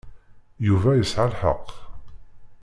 Yuba yesɛa lḥeqq.